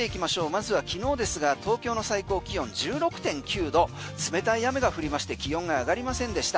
まずは昨日ですが東京の最高気温１６．９度冷たい雨が降りまして気温が上がりませんでした。